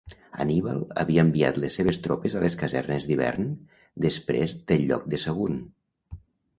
Anníbal havia enviat les seves tropes a les casernes d'hivern després del lloc de Sagunt.